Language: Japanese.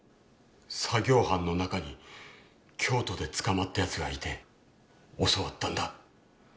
作業班の中に京都で捕まった奴がいて教わったんだ。